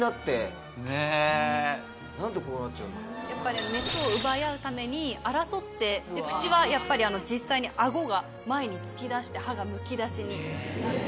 やっぱりメスを奪い合うために争って口はやっぱり実際に顎が前に突き出して歯がむき出しになるという。